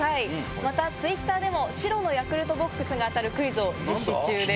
またツイッターでも、白のヤクルトボックスが当たるクイズを実施中です。